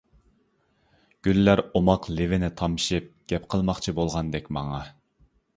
گۈللەر ئوماق لېۋىنى تامشىپ، گەپ قىلماقچى بولغاندەك ماڭا.